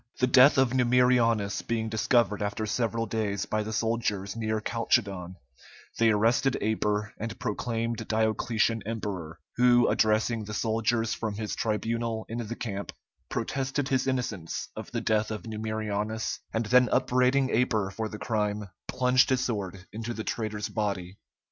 The death of Numerianus being discovered after several days by the soldiers near Calchedon, they arrested Aper and proclaimed Diocletian emperor, who addressing the soldiers from his tribunal in the camp, protested his innocence of the death of Numerianus, and then upbraiding Aper for the crime, plunged his sword into the traitor's body.